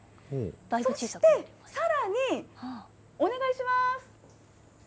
そしてさらに、お願いします。